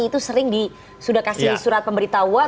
itu sering sudah kasih surat pemberitahuan